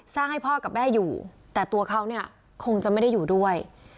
ให้พ่อกับแม่อยู่แต่ตัวเขาเนี่ยคงจะไม่ได้อยู่ด้วย